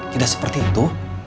tidak seperti itu